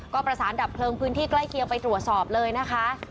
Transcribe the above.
ก็ประสานดับเพลิงพื้นที่ใกล้เคียงไปตรวจสอบเลยนะคะ